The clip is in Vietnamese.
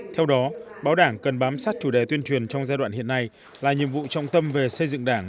theo đó báo đảng cần bám sát chủ đề tuyên truyền trong giai đoạn hiện nay là nhiệm vụ trọng tâm về xây dựng đảng